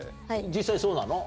実際そうなの？